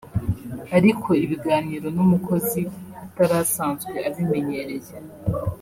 ariko ibiganiro n’umukozi atari asanzwe abimenyereye